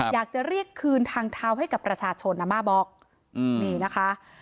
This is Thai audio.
อยากจะเรียกคืนทางเท้าให้กับประชาชนอาม่าบอกนี่นะคะ